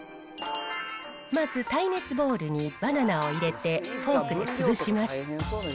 まず耐熱ボウルにバナナを入れて、フォークで潰します。